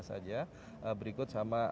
saja berikut sama